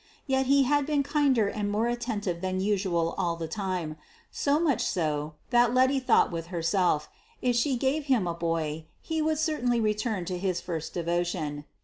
Yet he had been kinder and more attentive than usual all the time, so much so that Letty thought with herself if she gave him a boy, he would certainly return to his first devotion.